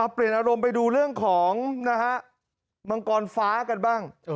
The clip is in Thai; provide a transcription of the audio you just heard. เปลี่ยนอารมณ์ไปดูเรื่องของมังกรฟ้ากันบ้าง